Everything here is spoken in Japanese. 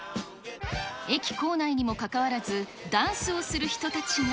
駅構内にもかかわらず、ダンスをする人たちが。